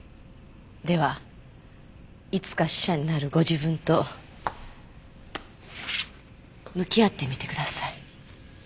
ではいつか死者になるご自分と向き合ってみてください。